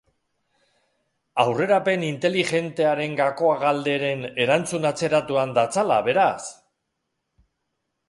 Aurrerapen inteligentearengakoagalderen erantzun atzeratuan datzala, beraz!